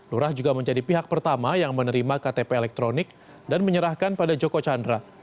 lurah juga menjadi pihak pertama yang menerima ktp elektronik dan menyerahkan pada joko chandra